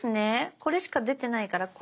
これしか出てないからこれ。